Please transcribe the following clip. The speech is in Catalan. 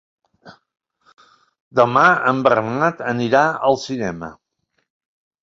Demà en Bernat anirà al cinema.